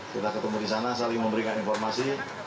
kita ketemu di sana saling memberikan informasi